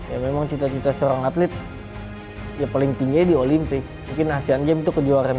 ya memang cita cita seorang atlet ya paling tinggi di olimpik mungkin asean games itu kejuaraan